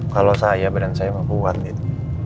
kalau saya badan saya mah kuat nin